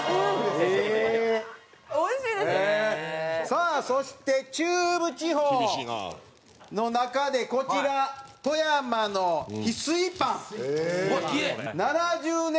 さあそして中部地方の中でこちら富山のヒスイパン。